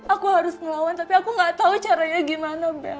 aku harus melawan tapi aku tidak tahu caranya bagaimana bella